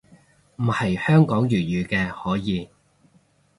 唔係香港粵語嘅可以